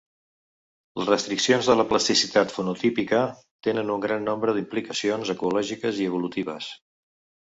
Les restriccions de la plasticitat fenotípica tenen un gran nombre d'implicacions ecològiques i evolutives.